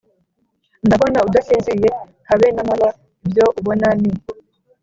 ndabona udasinziye habe namaba ibyo ubona ni